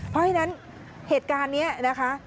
เพราะฉะนั้นเหตุการณ์นี้นะคะ